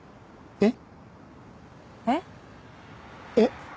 えっ？